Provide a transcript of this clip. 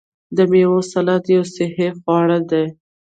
د میوو سلاد یو صحي خواړه دي.